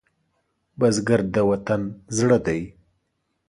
بزګر د وطن زړه دی